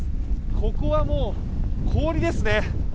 ここはもう氷ですね。